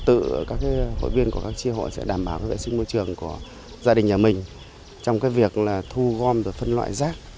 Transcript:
tự các hội viên của các tri hội sẽ đảm bảo vệ sinh môi trường của gia đình nhà mình trong cái việc là thu gom và phân loại rác